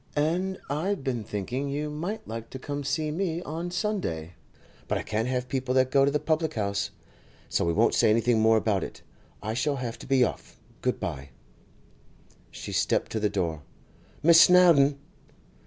And I'd been thinking you might like to come and see me on Sunday, but I can't have people that go to the public house, so we won't say anything more about it. I shall have to be off; good bye!' She stepped to the door. 'Miss Snowdon!